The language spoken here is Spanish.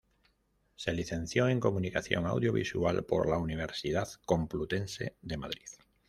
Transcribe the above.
Se licenció en Comunicación Audiovisual por la Universidad Complutense de Madrid.